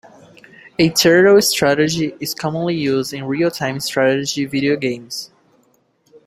A turtle strategy is commonly used in real-time strategy video games.